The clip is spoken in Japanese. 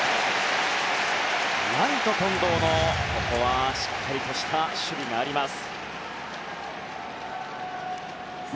ライト、近藤のしっかりとした守備があります。